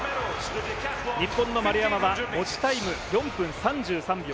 日本の丸山は持ちタイム４分３３秒。